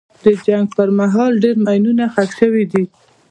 د جنګ پر مهال ډېر ماینونه ښخ شوي دي.